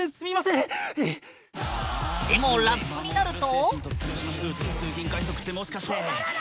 でもラップになると。